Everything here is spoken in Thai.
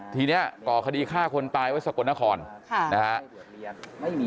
ทีนี้ก่อคดีฆ่าคนตายไว้สกลนครนะฮะ